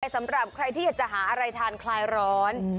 สำหรับใครที่อยากจะหาอะไรทานคลายร้อน